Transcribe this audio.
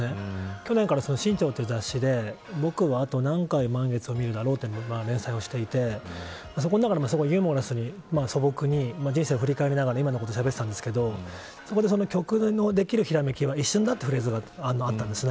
去年から、新潮という雑誌で僕は、あと何回満月を見るだろうという連載をしていてそこの中でもすごいユーモラスに素朴に人生を振り返りながら今のことしゃべってたんですけどそこで、曲のできるひらめきは一瞬だというフレーズがあったんです。